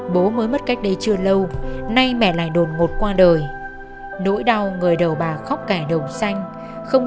bố mới mất cách đây chưa lâu nay mẹ lại đồn ngụt qua đời nỗi đau người đầu bà khóc kẻ đầu xanh